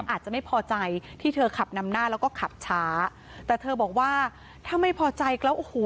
อาจจะไม่พอใจที่เธอขับนำหน้าแล้วก็ขับช้าแต่เธอบอกว่าถ้าไม่พอใจแล้วโอ้โห